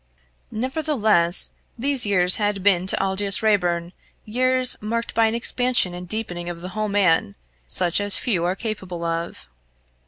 Nevertheless, these years had been to Aldous Raeburn years marked by an expansion and deepening of the whole man, such as few are capable of.